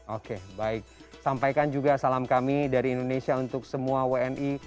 oke baik sampaikan juga salam kami dari indonesia untuk semua wni